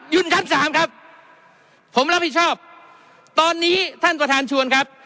ชั้นสามครับผมรับผิดชอบตอนนี้ท่านประธานชวนครับ